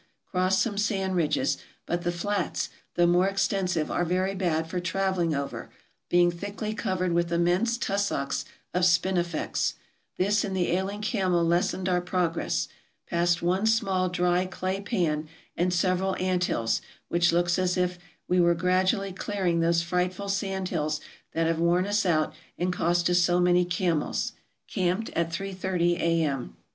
Crossed some sand ridges ; but the flats, though more extensive, are very bad for traveling over, being thickly covered with immense tussocks of spinifex. This and the ailing camel lessened our progress. Passed one small dry clay pan and several ant hills, which looks as if we were gradually clearing those frightful sand hills that have worn us out and cost us so many camels. Camped at three thirty A.M.